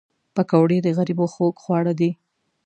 پکورې د غریبو خوږ خواړه دي